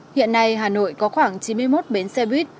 hiện nay hà nội có khoảng chín mươi một bến xe buýt